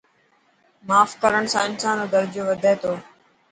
ماف ڪرڻ سان انسان رو درجو وڌي ٿو.